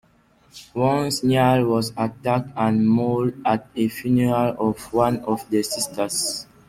Once, Neale was attacked and mauled at a funeral of one of the Sisters.